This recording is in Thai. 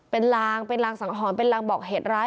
เป็นลางสังหรรณ์เป็นลางบอกเหตุร้าย